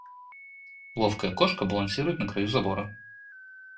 Ловкая кошка балансирует на краю забора.